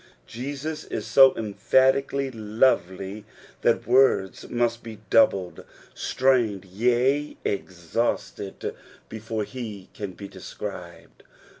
Jesus is BO emphatically lovely that words must be doubled, strained, yea, exhausted before he can be described.